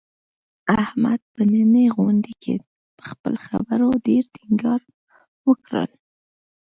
احمد په نننۍ غونډه کې، په خپلو خبرو ډېر ټینګار وکړ.